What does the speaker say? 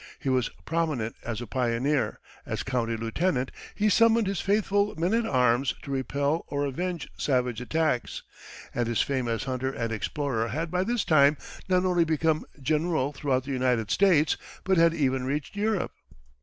He was prominent as a pioneer; as county lieutenant he summoned his faithful men at arms to repel or avenge savage attacks; and his fame as hunter and explorer had by this time not only become general throughout the United States but had even reached Europe.